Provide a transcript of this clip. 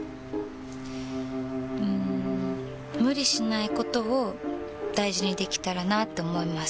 うん無理しないことを大事にできたらなって思います。